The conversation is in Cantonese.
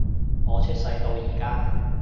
我出世到而家